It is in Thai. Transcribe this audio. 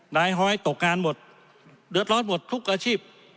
ฮอยตกงานหมดเดือดร้อนหมดทุกอาชีพ